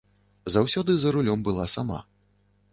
Заўсёды за рулём была сама.